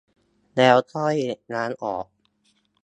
แล้วค่อยล้างออก